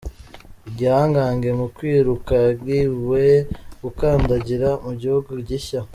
Igihangange mu kwiruka yangiwe gukandagira mugihugu gishya